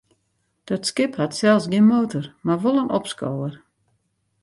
Dat skip hat sels gjin motor, mar wol in opskower.